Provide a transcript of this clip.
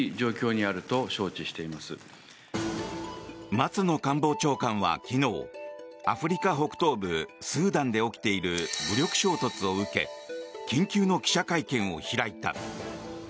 松野官房長官は昨日アフリカ北東部スーダンで起きている武力衝突を受け緊急の記者会見を開いた。